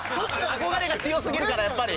憧れが強すぎるからやっぱり。